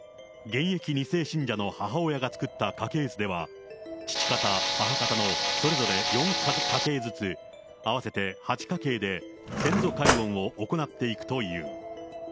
現役２世信者の母親が作った家系図では、父方、母方のそれぞれ４家系ずつ、合わせて８家系で、先祖解怨を行っていくという。